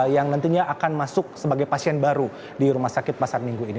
yang nantinya akan masuk sebagai pasien baru di rumah sakit pasar minggu ini